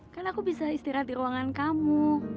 kan aku bisa istirahat di ruangan kamu